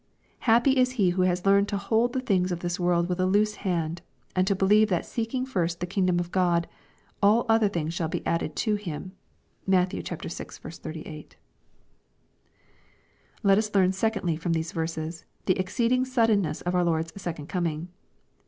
Happy is he who has learned to hold the things of this world with a loose hand, and to believe that seeking first the kingdom of Grod, '^all other things shall be added to him I" (Matt, vi. 38.) Let us learn secondly from these verses, the exceeding suddenness of our Lord's second coming.